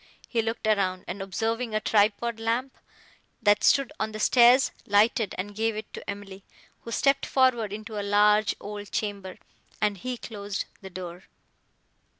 He looked around, and, observing a tripod lamp, that stood on the stairs, lighted and gave it to Emily, who stepped forward into a large old chamber, and he closed the door.